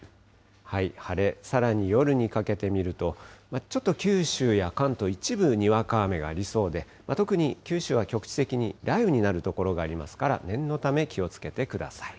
晴れ、さらに夜にかけて見ると、ちょっと九州や関東一部、にわか雨がありそうで、特に九州は局地的に雷雨になる所がありますから、念のため気をつけてください。